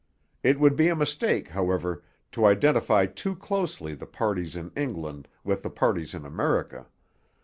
It would be a mistake, however, to identify too closely the parties in England with the parties in America.